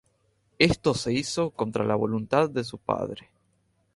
Esto se hizo contra la voluntad de su padre.